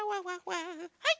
はい。